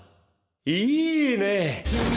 いいね。